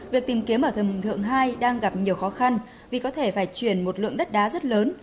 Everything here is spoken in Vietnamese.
việc tìm kiếm ở thờ hùng thượng hai đang gặp nhiều khó khăn vì có thể phải chuyển một lượng đất đá rất lớn